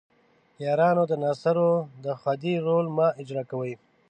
یارانو د ناصرو د خدۍ رول مه اجراء کوئ.